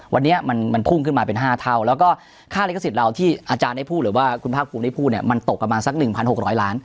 วันนี้มันพุ่งขึ้นมาเป็น๕เท่าแล้วก็ค่าลิขสิทธิ์เราที่อาจารย์ได้พูดหรือว่าคุณภาคภูมิได้พูดเนี่ยมันตกประมาณสัก๑๖๐๐ล้าน